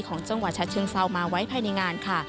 ของจังหวัดฉะเชิงเซามาไว้ภายในงานค่ะ